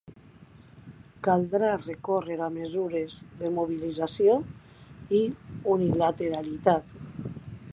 Caldrà recórrer a mesures de mobilització i unilateralitat.